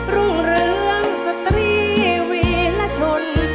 รุ่งเรืองสตรีวีรชน